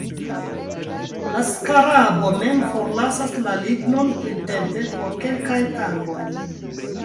La skarabo mem forlasas la lignon printempe por kelkaj tagoj.